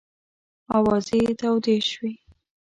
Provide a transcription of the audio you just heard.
آوازې تودې شوې.